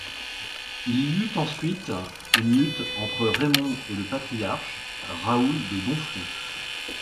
Il y eut ensuite une lutte entre Raymond et le patriarche, Raoul de Domfront.